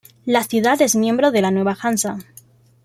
La ciudad es miembro de la Nueva Hansa